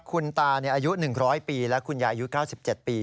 คุณตาอายุหนึ่งร้อยปีและคุณยายอายุเก้าสิบเจ็ดปี